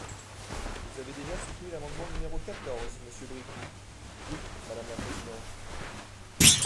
Vous avez déjà soutenu l’amendement numéro quatorze, monsieur Bricout… Oui, madame la présidente.